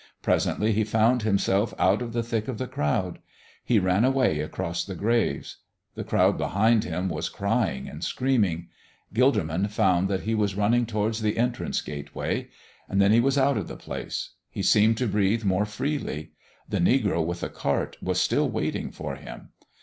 Presently he found himself out of the thick of the crowd. He ran away across the graves. The crowd behind him was crying and screaming. Gilderman found that he was running towards the entrance gateway. Then he was out of the place. He seemed to breathe more freely. The negro with the cart was still waiting for him.